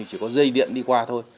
chỉ có dây điện đi qua thôi